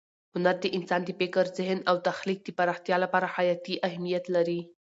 هنر د انسان د فکر، ذهن او تخلیق د پراختیا لپاره حیاتي اهمیت لري.